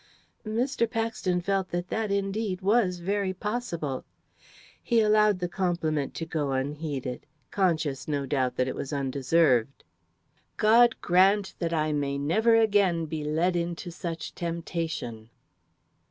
Mr. Paxton felt that that indeed was very possible. He allowed the compliment to go unheeded conscious, no doubt, that it was undeserved. "God grant that I may never again be led into such temptation!"